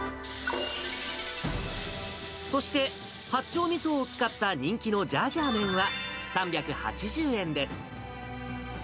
そして、八丁みそを使った人気のジャージャー麺は３８０円です。